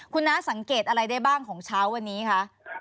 คุณน้าสังเกตอะไรได้บ้างของเช้าวันนี้คะ